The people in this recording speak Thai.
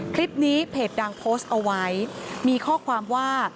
คลิปนี้เพจดังโพสต์เอาไว้มีข้อความว่า